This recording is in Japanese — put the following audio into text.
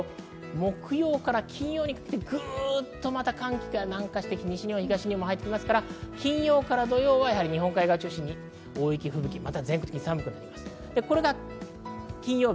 木曜から金曜にかけてグッと寒気が南下して、西日本や東日本にも入って金曜から土曜は日本海側を中心に大雪、吹雪、全国的に寒くなります。